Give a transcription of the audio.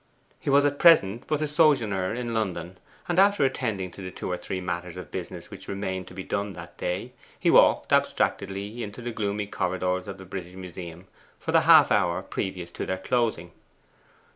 He was at present but a sojourner in London; and after attending to the two or three matters of business which remained to be done that day, he walked abstractedly into the gloomy corridors of the British Museum for the half hour previous to their closing.